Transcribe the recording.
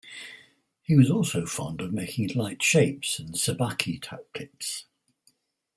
He was also fond of making light shapes and "sabaki" tactics.